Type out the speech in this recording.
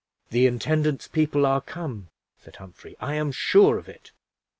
"The intendant's people are come," said Humphrey, "I am sure of it."